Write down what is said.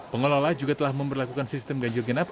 pengelola juga telah memperlakukan sistem ganjil genap